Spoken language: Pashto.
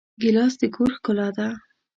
ګیلاس د کور ښکلا ده.